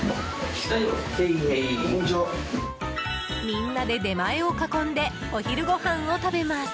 みんなで出前を囲んでお昼ごはんを食べます。